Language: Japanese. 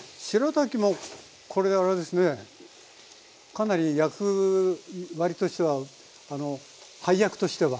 かなり役割としては配役としては。